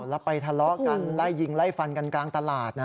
แล้วไปทะเลาะกันไล่ยิงไล่ฟันกันกลางตลาด